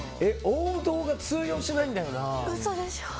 王道が通用しないんだよな。